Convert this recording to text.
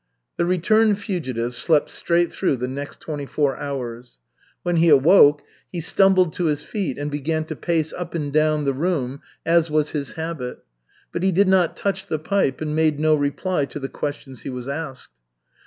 The returned fugitive slept straight through the next twenty four hours. When he awoke, he stumbled to his feet and began to pace up and down the room as was his habit, but he did not touch the pipe and made no reply to the questions he was asked.